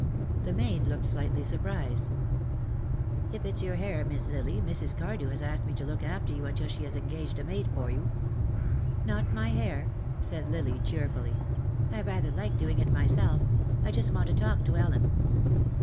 The maid looked slightly surprised. "If it's your hair, Miss Lily, Mrs. Cardew has asked me to look after you until she has engaged a maid for you." "Not my hair," said Lily, cheerfully. "I rather like doing it myself. I just want to talk to Ellen."